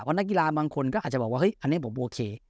เพราะนักกีฬาบางคนก็อาจจะบอกว่าเฮ้ยอันนี้ผมโอเค